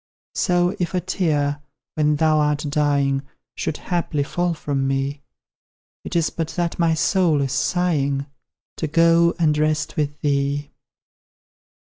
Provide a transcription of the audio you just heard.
So, if a tear, when thou art dying, Should haply fall from me, It is but that my soul is sighing, To go and rest with thee.